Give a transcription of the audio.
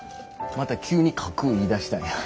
また急に書く言いだしたんや。